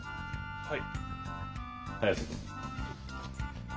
はい。